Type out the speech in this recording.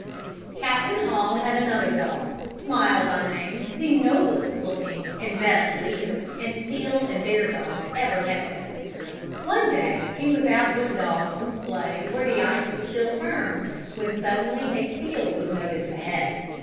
Captain Hall had another dog, Smile by name, the noblest looking, the best leader, and seal and bear dog, ever met with. One day he was out with dogs and sleigh where the ice was still firm, when suddenly a seal was noticed ahead.